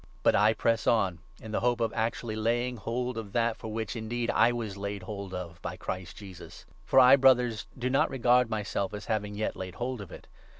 But 1 press on, in the hope of actually laying hold of that for which indeed I was laid hold of by Christ Jesus. For 13 I, Brothers, do not regard myself as having yet laid hold of it.